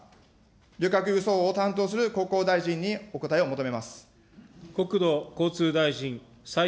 旅客輸送を担当する国交大臣にお答えを求めます。